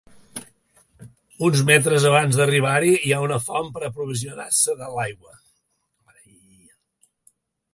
Uns metres abans d'arribar-hi hi ha una font per aprovisionar-se d'aigua.